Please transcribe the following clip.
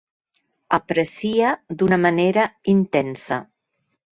Aprecia d'una manera intensa.